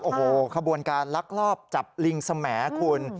โอ้โหขบวนการลักลอบจับลิงสแหมดคุณ